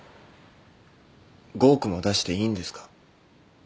５億も出していいんですか？